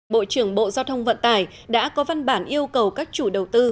bộ trưởng bộ giao thông vận tải đã có văn bản yêu cầu các chủ đầu tư